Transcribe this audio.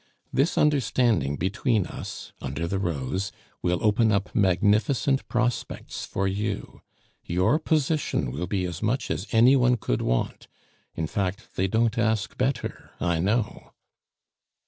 This understanding between us (under the rose) will open up magnificent prospects for you. Your position will be as much as any one could want; in fact, they don't ask better, I know."